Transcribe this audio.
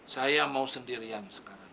saya mau sendirian sekarang